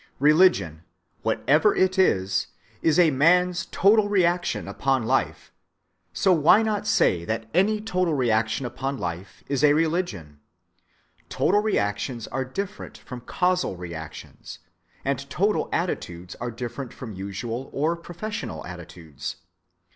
Religion, whatever it is, is a man's total reaction upon life, so why not say that any total reaction upon life is a religion? Total reactions are different from casual reactions, and total attitudes are different from usual or professional attitudes.